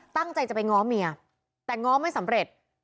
ตั้งใจจะไปง้อเมียแต่ง้อไม่สำเร็จ